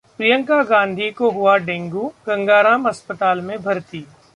प्रियंका गांधी को हुआ डेंगू, गंगाराम अस्पताल में भर्ती